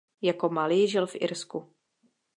Jako malý žil v Irsku.